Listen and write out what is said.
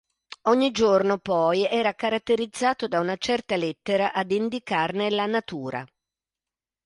Ogni giorno poi era caratterizzato da una certa lettera ad indicarne la natura.